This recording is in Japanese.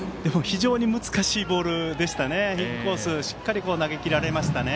非常に難しいボールでしたね。